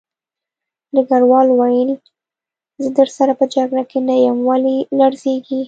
ډګروال وویل زه درسره په جګړه کې نه یم ولې لړزېږې